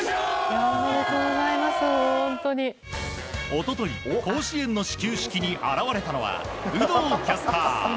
一昨日、甲子園の始球式に現れたのは有働キャスター。